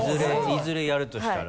いずれやるとしたら。